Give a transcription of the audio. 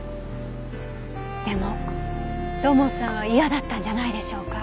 でも土門さんは嫌だったんじゃないでしょうか。